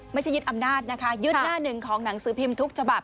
ยึดอำนาจนะคะยึดหน้าหนึ่งของหนังสือพิมพ์ทุกฉบับ